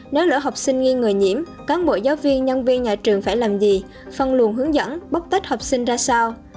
nếu lỡ học sinh nghi ngờ nhiễm cán bộ giáo viên nhân viên nhà trường phải làm gì phân luồn hướng dẫn bóc tách học sinh ra sao